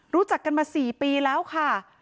รู้จักกันมา๔ปีแล้วค่ะ